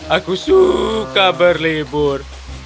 aku suka berlibur